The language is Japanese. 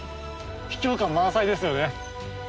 秘境感満載ですよね。